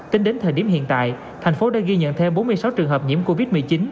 tính đến thời điểm hiện tại thành phố đã ghi nhận thêm bốn mươi sáu trường hợp nhiễm covid một mươi chín